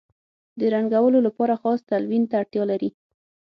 د رنګولو لپاره خاص تلوین ته اړتیا لري.